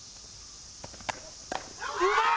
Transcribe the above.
うまい！